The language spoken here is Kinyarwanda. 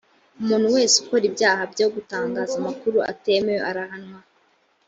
umuntu wese ukora ibyaha byo gutangaza amakuru atemewe arahanwa